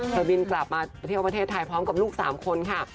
บินกลับมาเที่ยวประเทศไทยพร้อมกับลูก๓คนค่ะ